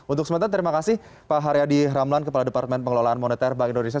untuk sementara terima kasih pak haryadi ramlan kepala departemen pengelolaan moneter bank indonesia